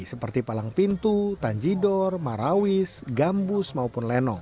seperti palang pintu tanjidor marawis gambus maupun lenong